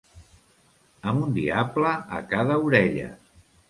Amb un diable a cada orella.